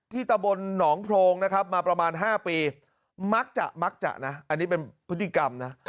ตะบนหนองโพรงนะครับมาประมาณ๕ปีมักจะมักจะนะอันนี้เป็นพฤติกรรมนะ